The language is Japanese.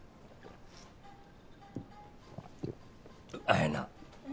あやな。